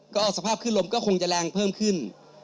ก็สภาพขึ้นลมก็คงจะแรงเพิ่มขึ้น